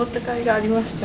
ありました？